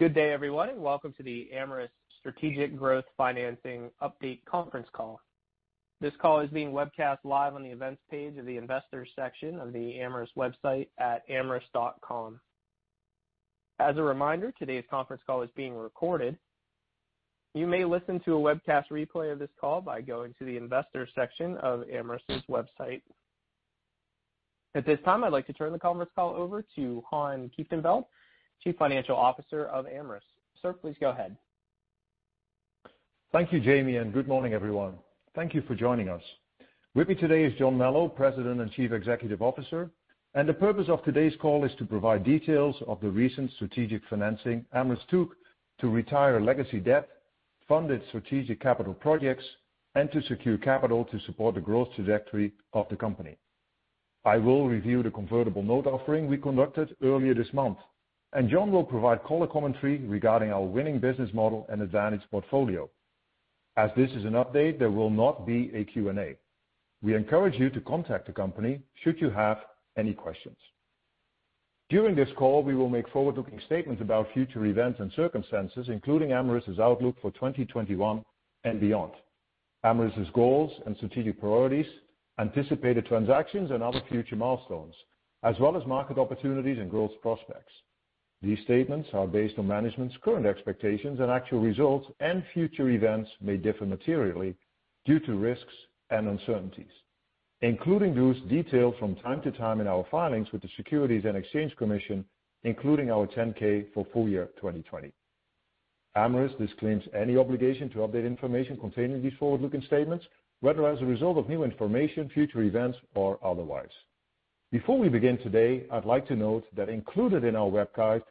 Good day, everyone, and welcome to the Amyris Strategic Growth Financing Update Conference Call. This call is being webcast live on the Events page of the Investors section of the Amyris website at amyris.com. As a reminder, today's conference call is being recorded. You may listen to a webcast replay of this call by going to the Investors section of Amyris' website. At this time, I'd like to turn the conference call over to Han Kieftenbeld, Chief Financial Officer of Amyris. Sir, please go ahead. Thank you, Jamie, and good morning, everyone. Thank you for joining us. With me today is John Melo, President and Chief Executive Officer, and the purpose of today's call is to provide details of the recent strategic financing Amyris took to retire legacy debt, fund its strategic capital projects, and to secure capital to support the growth trajectory of the company. I will review the convertible note offering we conducted earlier this month, and John will provide color commentary regarding our winning business model and advantage portfolio. As this is an update, there will not be a Q&A. We encourage you to contact the company should you have any questions. During this call, we will make forward-looking statements about future events and circumstances, including Amyris' outlook for 2021 and beyond, Amyris' goals and strategic priorities, anticipated transactions and other future milestones, as well as market opportunities and growth prospects. These statements are based on management's current expectations, and actual results and future events may differ materially due to risks and uncertainties, including those detailed from time to time in our filings with the Securities and Exchange Commission, including our 10-K for full year 2020. Amyris disclaims any obligation to update information contained in these forward-looking statements, whether as a result of new information, future events, or otherwise. Before we begin today, I'd like to note that included in our webcast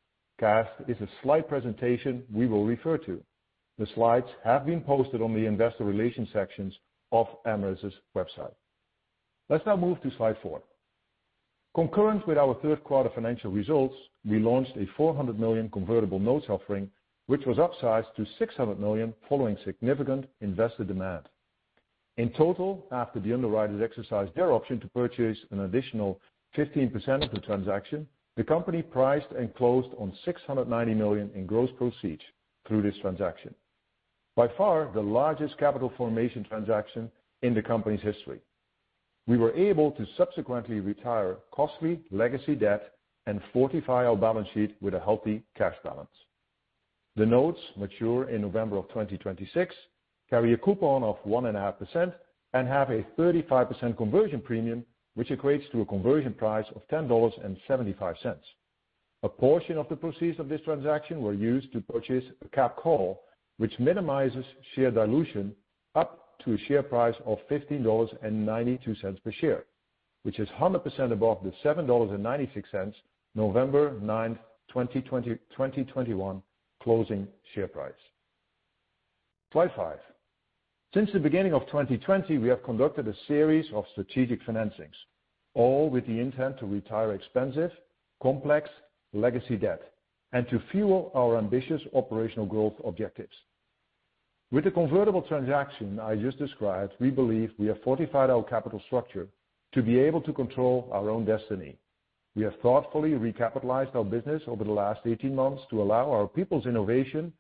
is a slide presentation we will refer to. The slides have been posted on the Investor Relations section of Amyris' website. Let's now move to slide four. Concurrent with our Q3 financial results, we launched a $400 million convertible notes offering, which was upsized to $600 million following significant investor demand. In total, after the underwriters exercised their option to purchase an additional 15% of the transaction, the company priced and closed on $690 million in gross proceeds through this transaction. By far, the largest capital formation transaction in the company's history. We were able to subsequently retire costly legacy debt and fortify our balance sheet with a healthy cash balance. The notes mature in November 2026, carry a coupon of 1.5%, and have a 35% conversion premium, which equates to a conversion price of $10.75. A portion of the proceeds of this transaction were used to purchase a capped call, which minimizes share dilution up to a share price of $15.92 per share, which is 100% above the $7.96 November 9th, 2021 closing share price. Slide five. Since the beginning of 2020, we have conducted a series of strategic financings, all with the intent to retire expensive, complex legacy debt and to fuel our ambitious operational growth objectives. With the convertible transaction I just described, we believe we have fortified our capital structure to be able to control our own destiny. We have thoughtfully recapitalized our business over the last 18 months to allow our people's innovation,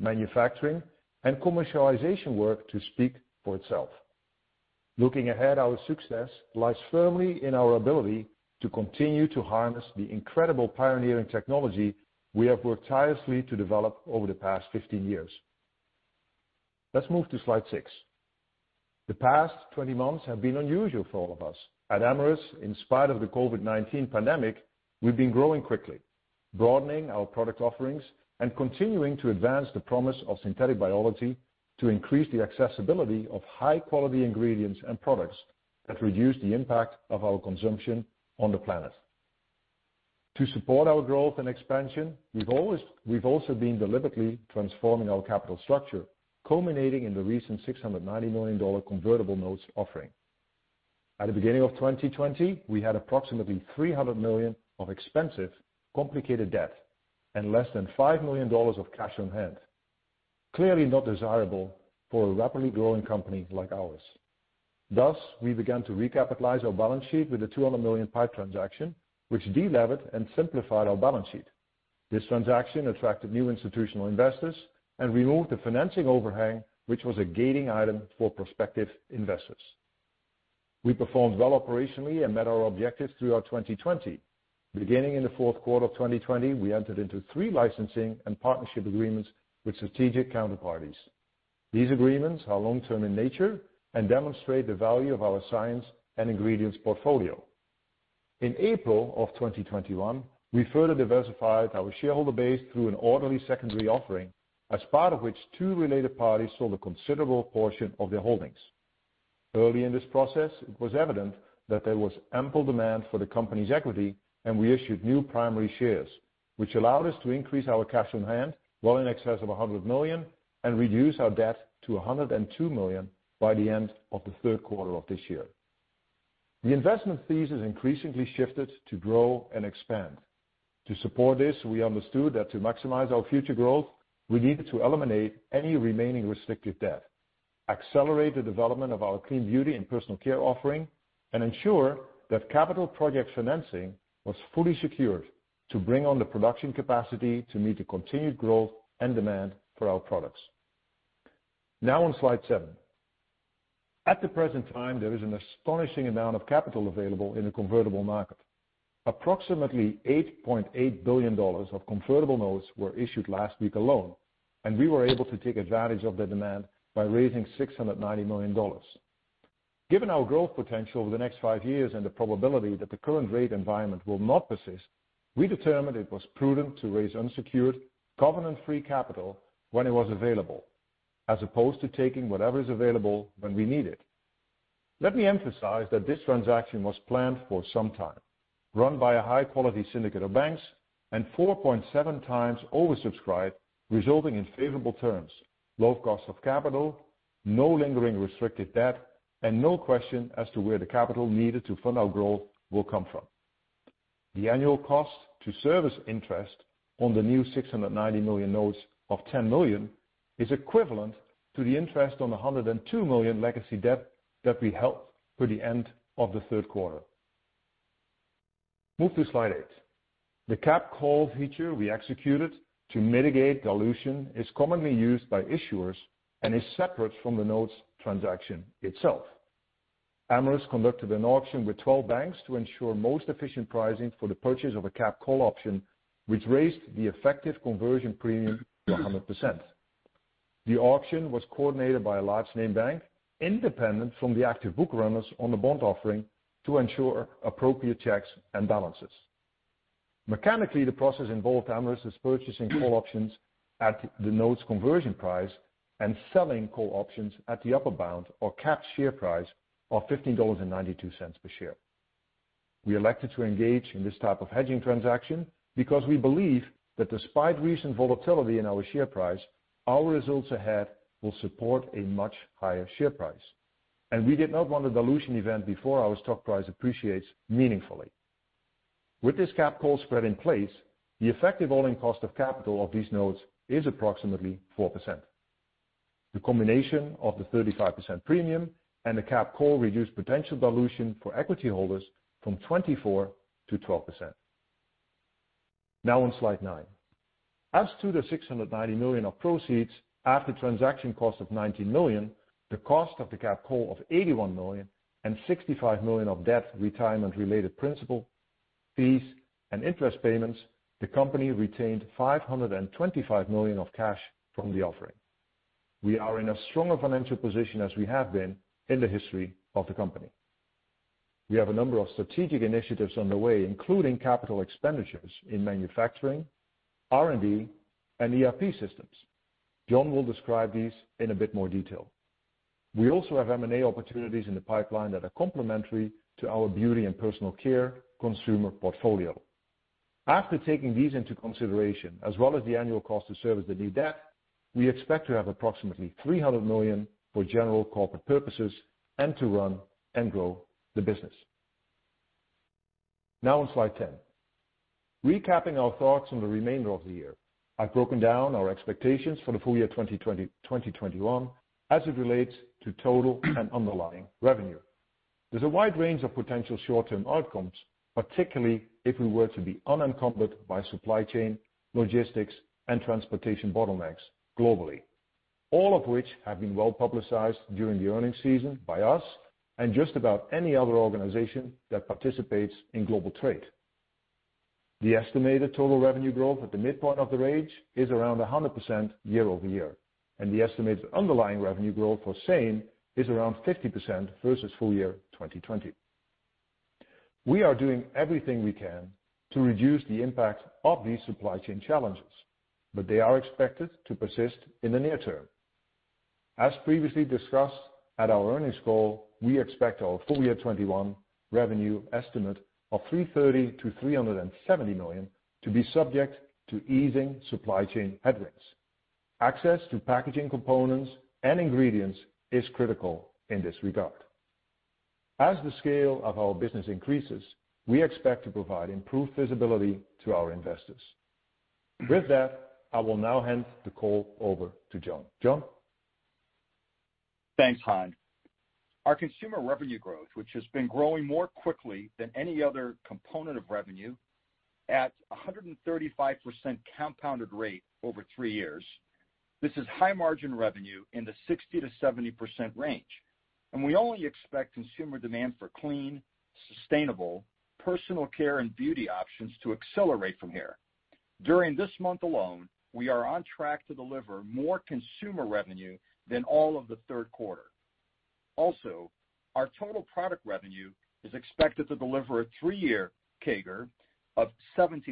manufacturing, and commercialization work to speak for itself. Looking ahead, our success lies firmly in our ability to continue to harness the incredible pioneering technology we have worked tirelessly to develop over the past 15 years. Let's move to slide six. The past 20 months have been unusual for all of us. At Amyris, in spite of the COVID-19 pandemic, we've been growing quickly, broadening our product offerings, and continuing to advance the promise of synthetic biology to increase the accessibility of high-quality ingredients and products that reduce the impact of our consumption on the planet. To support our growth and expansion, we've also been deliberately transforming our capital structure, culminating in the recent $690 million convertible notes offering. At the beginning of 2020, we had approximately $300 million of expensive, complicated debt and less than $5 million of cash on hand. Clearly not desirable for a rapidly growing company like ours. Thus, we began to recapitalize our balance sheet with a $200 million PIPE transaction, which de-levered and simplified our balance sheet. This transaction attracted new institutional investors and removed the financing overhang, which was a gating item for prospective investors. We performed well operationally and met our objectives throughout 2020. Beginning in the Q4 of 2020, we entered into three licensing and partnership agreements with strategic counterparties. These agreements are long-term in nature and demonstrate the value of our science and ingredients portfolio. In April of 2021, we further diversified our shareholder base through an orderly secondary offering, as part of which two related parties sold a considerable portion of their holdings. Early in this process, it was evident that there was ample demand for the company's equity, and we issued new primary shares, which allowed us to increase our cash on hand well in excess of $100 million and reduce our debt to $102 million by the end of the Q3 of this year. The investment thesis increasingly shifted to grow and expand. To support this, we understood that to maximize our future growth, we needed to eliminate any remaining restrictive debt, accelerate the development of our clean beauty and personal care offering, and ensure that capital project financing was fully secured to bring on the production capacity to meet the continued growth and demand for our products. Now on slide seven. At the present time, there is an astonishing amount of capital available in the convertible market. Approximately $8.8 billion of convertible notes were issued last week alone, and we were able to take advantage of the demand by raising $690 million. Given our growth potential over the next five years and the probability that the current rate environment will not persist, we determined it was prudent to raise unsecured covenant-free capital when it was available, as opposed to taking whatever is available when we need it. Let me emphasize that this transaction was planned for some time, run by a high-quality syndicate of banks, and 4.7x oversubscribed, resulting in favorable terms, low cost of capital, no lingering restricted debt, and no question as to where the capital needed to fund our growth will come from. The annual cost to service interest on the new $690 million notes of $10 million is equivalent to the interest on the $102 million legacy debt that we held through the end of the Q3. Move to slide eight. The capped call feature we executed to mitigate dilution is commonly used by issuers and is separate from the notes transaction itself. Amyris conducted an auction with 12 banks to ensure most efficient pricing for the purchase of a capped call option, which raised the effective conversion premium to 100%. The auction was coordinated by a large name bank independent from the active book runners on the bond offering to ensure appropriate checks and balances. Mechanically, the process involved Amyris is purchasing call options at the notes conversion price and selling call options at the upper bound or capped share price of $15.92 per share. We elected to engage in this type of hedging transaction, because we believe that despite recent volatility in our share price, our results ahead will support a much higher share price, and we did not want a dilution event before our stock price appreciates meaningfully. With this capped call spread in place, the effective all-in cost of capital of these notes is approximately 4%. The combination of the 35% premium and the capped call reduced potential dilution for equity holders from 24% to 12%. Now on slide nine. As to the $690 million of proceeds after transaction cost of $90 million, the cost of the capped call of $81 million and $65 million of debt retirement-related principal, fees, and interest payments, the company retained $525 million of cash from the offering. We are in a stronger financial position as we have been in the history of the company. We have a number of strategic initiatives on the way, including capital expenditures in manufacturing, R&D, and ERP systems. John will describe these in a bit more detail. We also have M&A opportunities in the pipeline that are complementary to our beauty and personal care consumer portfolio. After taking these into consideration, as well as the annual cost to service the new debt, we expect to have approximately $300 million for general corporate purposes and to run and grow the business. Now on slide 10. Recapping our thoughts on the remainder of the year, I've broken down our expectations for the full year 2020, 2021 as it relates to total and underlying revenue. There's a wide range of potential short-term outcomes, particularly if we were to be unencumbered by supply chain, logistics, and transportation bottlenecks globally, all of which have been well-publicized during the earnings season by us and just about any other organization that participates in global trade. The estimated total revenue growth at the midpoint of the range is around 100% year-over-year, and the estimated underlying revenue growth for same is around 50% versus full year 2020. We are doing everything we can to reduce the impact of these supply chain challenges, but they are expected to persist in the near term. As previously discussed at our earnings call, we expect our full year 2021 revenue estimate of $330 million to $370 million to be subject to easing supply chain headwinds. Access to packaging components and ingredients is critical in this regard. As the scale of our business increases, we expect to provide improved visibility to our investors. With that, I will now hand the call over to John. John? Thanks, Han. Our consumer revenue growth, which has been growing more quickly than any other component of revenue at a 135% compounded rate over three years. This is high-margin revenue in the 60% to 70% range, and we only expect consumer demand for clean, sustainable personal care and beauty options to accelerate from here. During this month alone, we are on track to deliver more consumer revenue than all of the Q3. Also, our total product revenue is expected to deliver a three-year CAGR of 70%,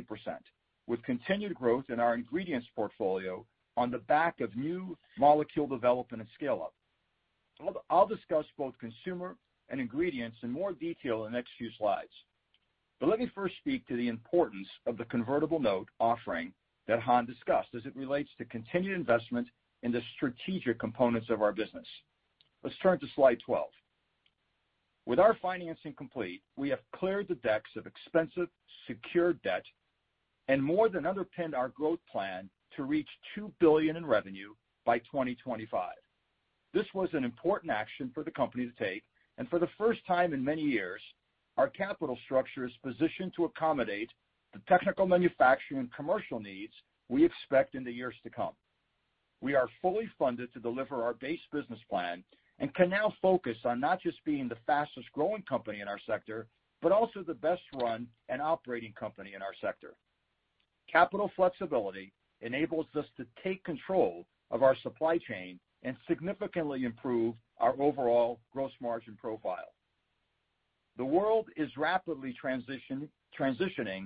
with continued growth in our ingredients portfolio on the back of new molecule development and scale-up. I'll discuss both consumer and ingredients in more detail in the next few slides. Let me first speak to the importance of the convertible note offering that Han discussed as it relates to continued investment in the strategic components of our business. Let's turn to slide 12. With our financing complete, we have cleared the decks of expensive secured debt and more than underpinned our growth plan to reach $2 billion in revenue by 2025. This was an important action for the company to take, and for the first time in many years, our capital structure is positioned to accommodate the technical manufacturing and commercial needs we expect in the years to come. We are fully funded to deliver our base business plan and can now focus on not just being the fastest-growing company in our sector, but also the best-run and operating company in our sector. Capital flexibility enables us to take control of our supply chain and significantly improve our overall gross margin profile. The world is rapidly transitioning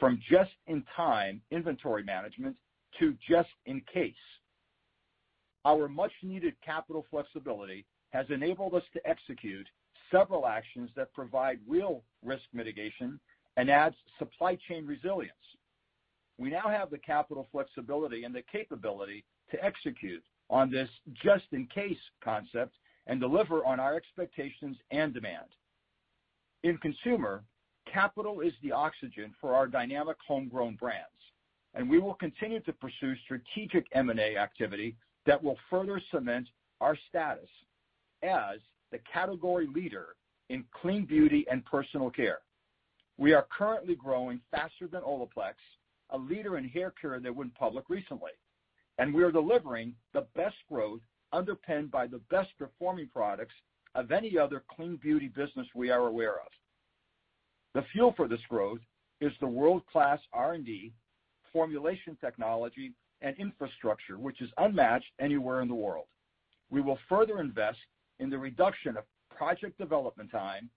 from just-in-time inventory management to just in case. Our much-needed capital flexibility has enabled us to execute several actions that provide real risk mitigation and adds supply chain resilience. We now have the capital flexibility and the capability to execute on this just in case concept and deliver on our expectations and demand. In consumer, capital is the oxygen for our dynamic homegrown brands, and we will continue to pursue strategic M&A activity that will further cement our status as the category leader in clean beauty and personal care. We are currently growing faster than Olaplex, a leader in hair care that went public recently, and we are delivering the best growth underpinned by the best performing products of any other clean beauty business we are aware of. The fuel for this growth is the world-class R&D formulation technology and infrastructure, which is unmatched anywhere in the world. We will further invest in the reduction of project development time,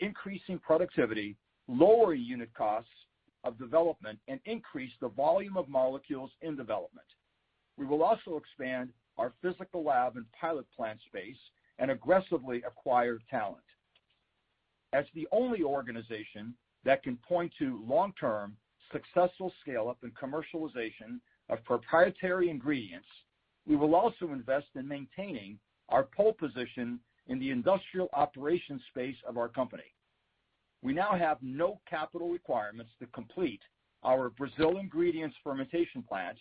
increasing productivity, lowering unit costs of development, and increase the volume of molecules in development. We will also expand our physical lab and pilot plant space and aggressively acquire talent. As the only organization that can point to long-term successful scale up and commercialization of proprietary ingredients, we will also invest in maintaining our pole position in the industrial operations space of our company. We now have no capital requirements to complete our Brazil ingredients fermentation plant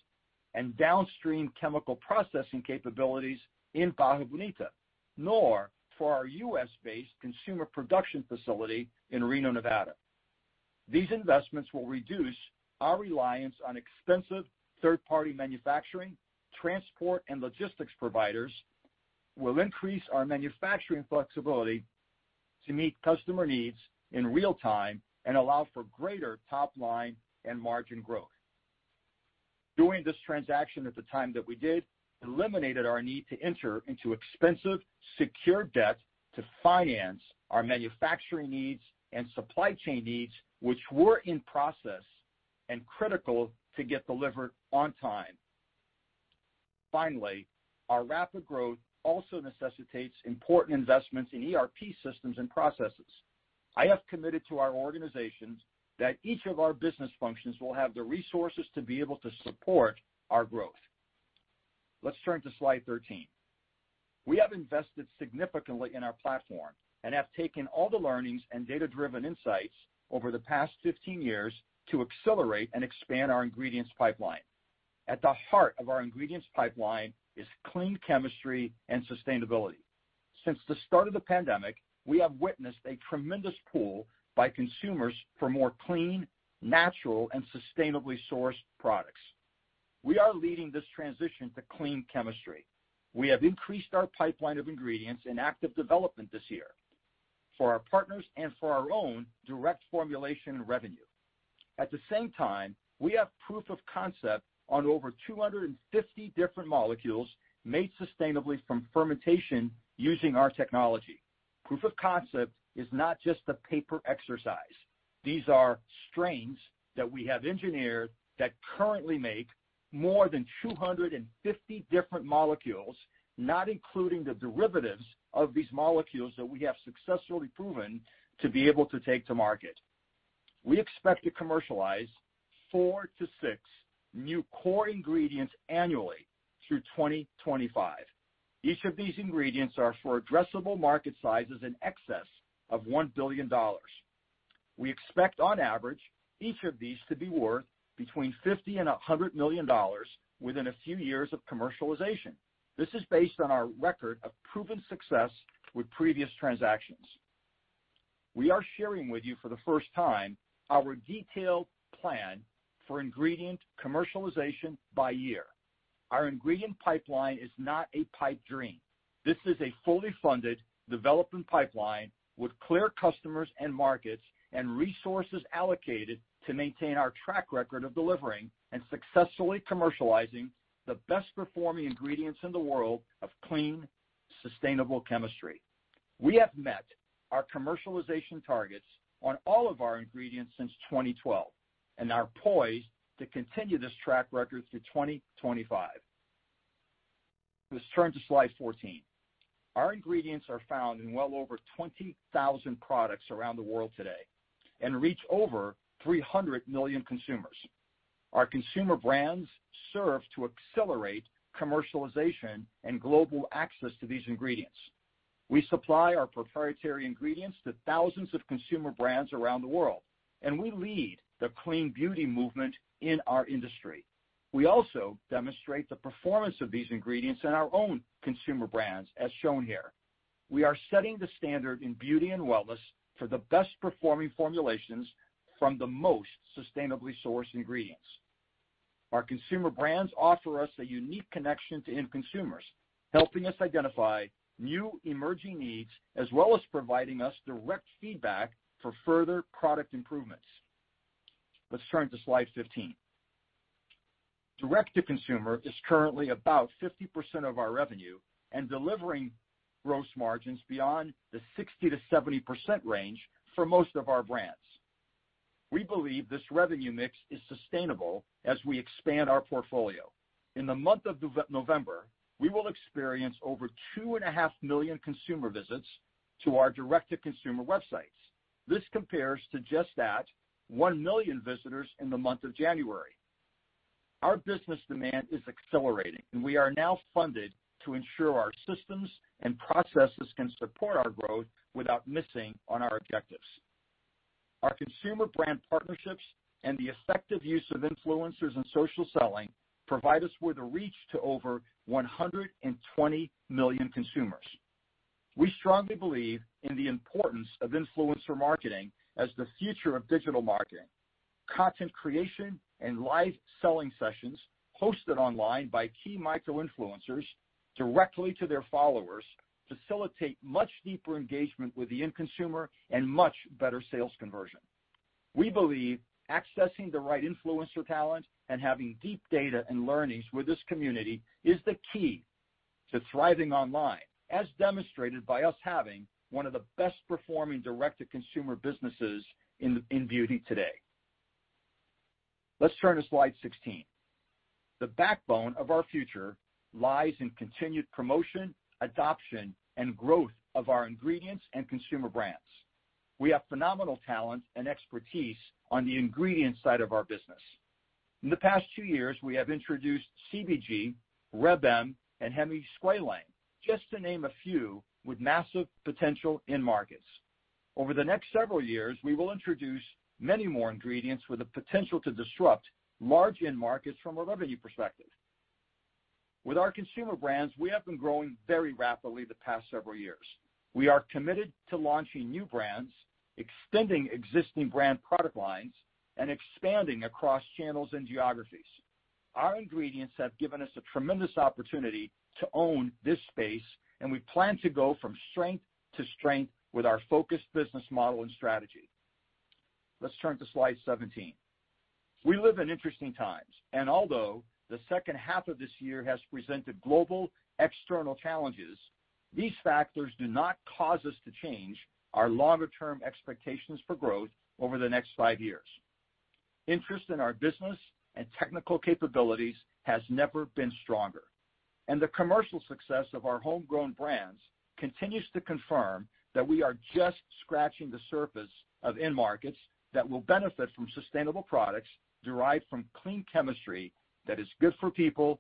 and downstream chemical processing capabilities in Barra Bonita, nor for our U.S. based consumer production facility in Reno, Nevada. These investments will reduce our reliance on expensive third-party manufacturing, transport, and logistics providers, will increase our manufacturing flexibility to meet customer needs in real time, and allow for greater top line and margin growth. Doing this transaction at the time that we did eliminated our need to enter into expensive secured debt to finance our manufacturing needs and supply chain needs, which were in process and critical to get delivered on time. Finally, our rapid growth also necessitates important investments in ERP systems and processes. I have committed to our organizations that each of our business functions will have the resources to be able to support our growth. Let's turn to slide 13. We have invested significantly in our platform and have taken all the learnings and data-driven insights over the past 15 years to accelerate and expand our ingredients pipeline. At the heart of our ingredients pipeline is clean chemistry and sustainability. Since the start of the pandemic, we have witnessed a tremendous pull by consumers for more clean, natural, and sustainably sourced products. We are leading this transition to clean chemistry. We have increased our pipeline of ingredients in active development this year for our partners and for our own direct formulation and revenue. At the same time, we have proof of concept on over 250 different molecules made sustainably from fermentation using our technology. Proof of concept is not just a paper exercise. These are strains that we have engineered that currently make more than 250 different molecules, not including the derivatives of these molecules that we have successfully proven to be able to take to market. We expect to commercialize four to six new core ingredients annually through 2025. Each of these ingredients are for addressable market sizes in excess of $1 billion. We expect, on average, each of these to be worth between $50 million and $100 million within a few years of commercialization. This is based on our record of proven success with previous transactions. We are sharing with you for the first time our detailed plan for ingredient commercialization by year. Our ingredient pipeline is not a pipe dream. This is a fully funded development pipeline with clear customers and markets and resources allocated to maintain our track record of delivering and successfully commercializing the best performing ingredients in the world of clean, sustainable chemistry. We have met our commercialization targets on all of our ingredients since 2012 and are poised to continue this track record through 2025. Let's turn to slide 14. Our ingredients are found in well over 20,000 products around the world today and reach over 300 million consumers. Our consumer brands serve to accelerate commercialization and global access to these ingredients. We supply our proprietary ingredients to thousands of consumer brands around the world, and we lead the clean beauty movement in our industry. We also demonstrate the performance of these ingredients in our own consumer brands as shown here. We are setting the standard in beauty and wellness for the best performing formulations from the most sustainably sourced ingredients. Our consumer brands offer us a unique connection to end consumers, helping us identify new emerging needs as well as providing us direct feedback for further product improvements. Let's turn to slide 15. Direct-to-consumer is currently about 50% of our revenue and delivering gross margins beyond the 60% to 70% range for most of our brands. We believe this revenue mix is sustainable as we expand our portfolio. In the month of November, we will experience over 2.5 million consumer visits to our direct-to-consumer websites. This compares to just that one million visitors in the month of January. Our business demand is accelerating, and we are now funded to ensure our systems and processes can support our growth without missing on our objectives. Our consumer brand partnerships and the effective use of influencers and social selling provide us with a reach to over 120 million consumers. We strongly believe in the importance of influencer marketing as the future of digital marketing. Content creation and live selling sessions hosted online by key micro-influencers directly to their followers facilitate much deeper engagement with the end consumer and much better sales conversion. We believe accessing the right influencer talent and having deep data and learnings with this community is the key to thriving online, as demonstrated by us having one of the best performing direct-to-consumer businesses in beauty today. Let's turn to slide 16. The backbone of our future lies in continued promotion, adoption, and growth of our ingredients and consumer brands. We have phenomenal talent and expertise on the ingredient side of our business. In the past two years, we have introduced CBG, Reb M, and Hemisqualane, just to name a few, with massive potential end markets. Over the next several years, we will introduce many more ingredients with the potential to disrupt large end markets from a revenue perspective. With our consumer brands, we have been growing very rapidly the past several years. We are committed to launching new brands, extending existing brand product lines, and expanding across channels and geographies. Our ingredients have given us a tremendous opportunity to own this space, and we plan to go from strength to strength with our focused business model and strategy. Let's turn to slide 17. We live in interesting times, and although the second half of this year has presented global external challenges, these factors do not cause us to change our longer-term expectations for growth over the next five years. Interest in our business and technical capabilities has never been stronger, and the commercial success of our homegrown brands continues to confirm that we are just scratching the surface of end markets that will benefit from sustainable products derived from clean chemistry that is good for people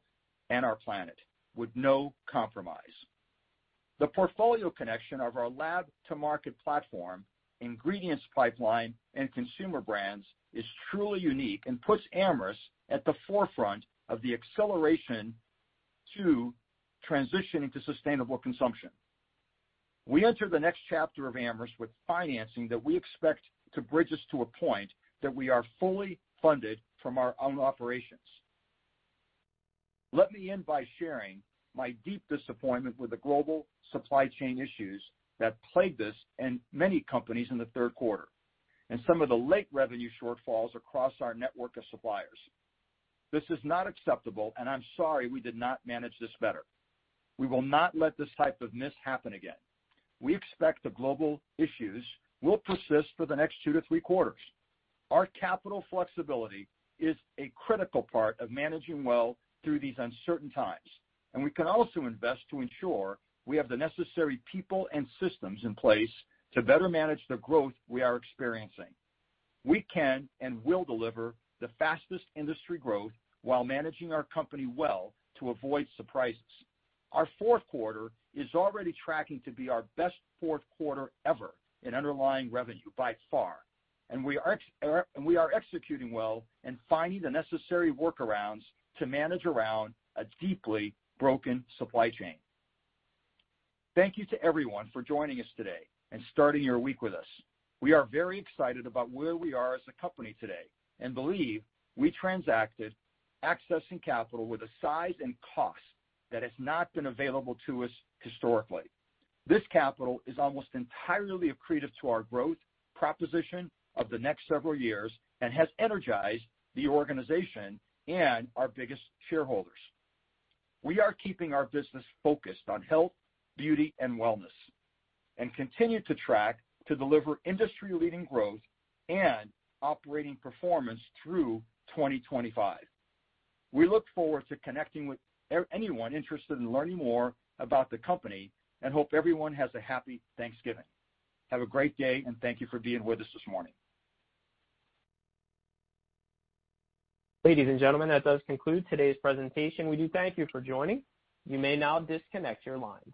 and our planet with no compromise. The portfolio connection of our lab-to-market platform, ingredients pipeline, and consumer brands is truly unique and puts Amyris at the forefront of the acceleration to transitioning to sustainable consumption. We enter the next chapter of Amyris with financing that we expect to bridge us to a point that we are fully funded from our own operations. Let me end by sharing my deep disappointment with the global supply chain issues that plagued us and many companies in the Q3 and some of the late revenue shortfalls across our network of suppliers. This is not acceptable, and I'm sorry we did not manage this better. We will not let this type of miss happen again. We expect the global issues will persist for the next two to three quarters. Our capital flexibility is a critical part of managing well through these uncertain times, and we can also invest to ensure we have the necessary people and systems in place to better manage the growth we are experiencing. We can and will deliver the fastest industry growth while managing our company well to avoid surprises. Our Q4 is already tracking to be our best Q4 ever in underlying revenue by far, and we are executing well and finding the necessary workarounds to manage around a deeply broken supply chain. Thank you to everyone for joining us today and starting your week with us. We are very excited about where we are as a company today and believe we transacted accessing capital with a size and cost that has not been available to us historically. This capital is almost entirely accretive to our growth proposition of the next several years and has energized the organization and our biggest shareholders. We are keeping our business focused on health, beauty, and wellness and continue to track to deliver industry-leading growth and operating performance through 2025. We look forward to connecting with anyone interested in learning more about the company and hope everyone has a happy Thanksgiving. Have a great day, and thank you for being with us this morning. Ladies and gentlemen, that does conclude today's presentation. We do thank you for joining. You may now disconnect your lines.